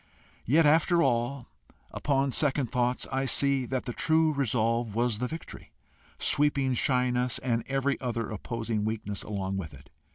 Yet after all, upon second thoughts, I see that the true resolve was the victory, sweeping shyness and every other opposing weakness along with it.